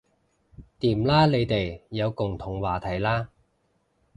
掂啦你哋有共同話題喇